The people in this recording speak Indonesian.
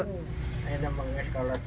enam banget ini sekolah